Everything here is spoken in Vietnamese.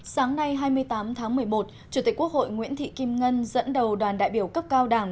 sáng nay hai mươi tám tháng một mươi một chủ tịch quốc hội nguyễn thị kim ngân dẫn đầu đoàn đại biểu cấp cao đảng